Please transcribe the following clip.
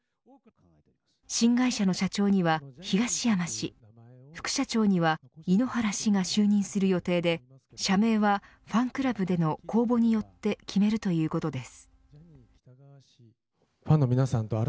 新会社の社長には東山氏副社長には井ノ原氏が就任する予定で社名はファンクラブでの公募によって決めるということです。